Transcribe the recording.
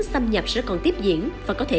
xâm nhập sẽ còn tiếp diễn và có thể